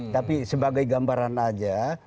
tapi sebagai gambaran saja